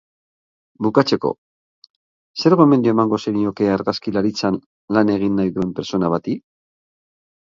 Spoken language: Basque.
Bukatzeko, zer gomendio emango zenioke argazkilaritzan lan egin nahi duen pertsona bati?